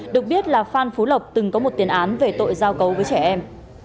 được biết là phan phú lộc từng có một tiền án về tội giao cấu với trẻ em